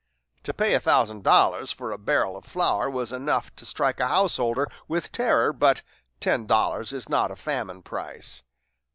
To pay a thousand dollars for a barrel of flour was enough to strike a householder with terror but ten dollars is not a famine price.